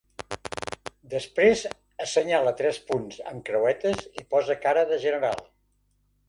Després assenyala tres punts amb creuetes i posa cara de general.